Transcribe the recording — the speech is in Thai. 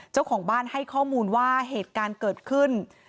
เจ้าของบ้านให้ข้อมูลว่าเหตุการณ์เกิดขึ้น